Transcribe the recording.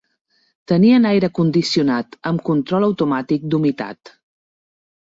Tenien aire condicionat amb control automàtic d'humitat.